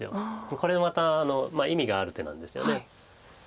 これはまた意味がある手なんですよね。